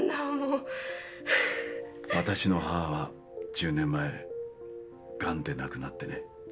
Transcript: わたしの母は１０年前ガンで亡くなってね。